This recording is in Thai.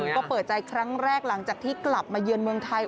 ก็เปิดใจครั้งแรกหลังจากที่กลับมาเยือนเมืองไทย